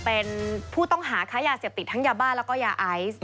เป็นผู้ต้องหาค้ายาเสพติดทั้งยาบ้าแล้วก็ยาไอซ์